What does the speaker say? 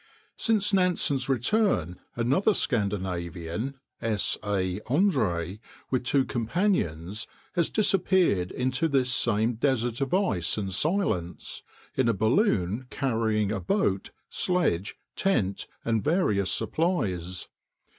Since Nansen's return another Scandinavian, S. A. Andrée, with two companions, has disappeared into this same desert of ice and silence, in a balloon carrying a boat, sledge, tent, and various supplies.